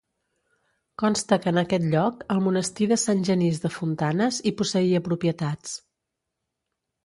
Consta que en aquest lloc, el monestir de Sant Genís de Fontanes hi posseïa propietats.